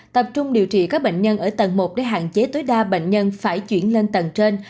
tập trung điều trị các bệnh nhân ở tầng một để hạn chế tối đa bệnh nhân phải chuyển lên tầng trên